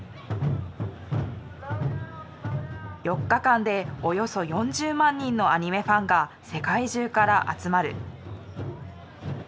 ４日間でおよそ４０万人のアニメファンが世界中から集まる。